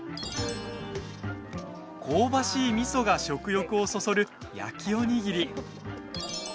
香ばしいみそが食欲をそそる焼きおにぎり。